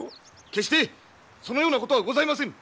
決してそのようなことはございませぬ。